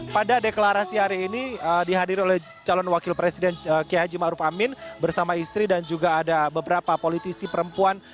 pada deklarasi hari ini dihadiri oleh calon wakil presiden kiai haji ⁇ maruf ⁇ amin bersama istri dan juga ada beberapa politisi perempuan